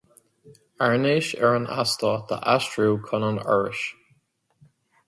Airnéis ar an Eastát a aistriú chun an Fhorais.